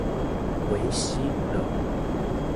讳熙仁。